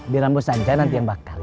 jangan lupa santai nanti yang bakar ya